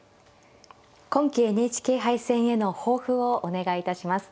今期ＮＨＫ杯戦への抱負をお願いいたします。